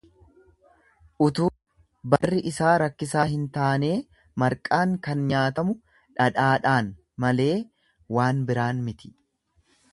Utuu barri isaa rakkisaa hin taanee marqaan kan nyaatamu dhadhaadhaan malee waan biraan miti.